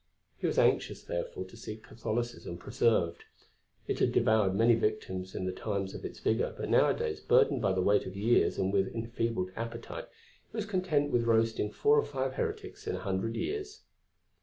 He was anxious, therefore, to see Catholicism preserved; it had devoured many victims in the times of its vigour, but nowadays, burdened by the weight of years and with enfeebled appetite, it was content with roasting four or five heretics in a hundred years.